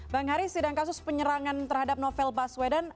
bang haris sidang kasus penyerangan terhadap novel baswedan